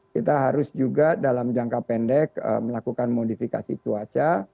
kita harus juga dalam jangka pendek melakukan modifikasi cuaca